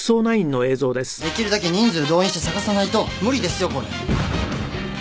「できるだけ人数動員して捜さないと無理ですよこれ」